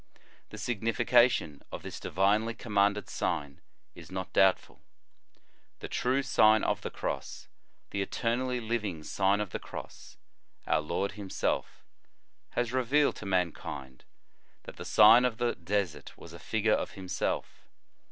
The signification of this divinely commanded sign is not doubtful. The true Sign of the Cross, the eternally living Sign of the Cross, our Lord himself, * Dialog, cum Try ph., n. iii. 9 8 The Sign of the Cross has revealed to mankind that the sign of the desert was a figure of Himself.